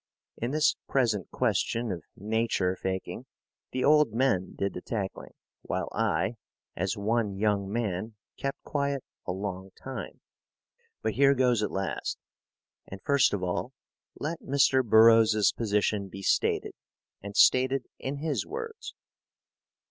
In this present question of nature faking, the old men did the tackling, while I, as one young man, kept quiet a long time. But here goes at last. And first of all let Mr. Burroughs's position be stated, and stated in his words.